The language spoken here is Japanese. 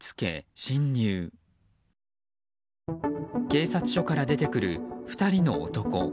警察署から出てくる２人の男。